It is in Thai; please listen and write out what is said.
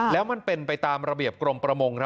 แล้วมันเป็นไปตามระเบียบกรมประมง